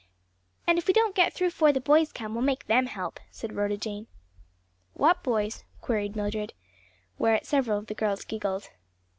"And if we don't get through 'fore the boys come we'll make them help," said Rhoda Jane. "What boys?" queried Mildred; whereat several of the girls giggled.